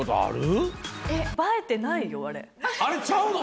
あれちゃうの？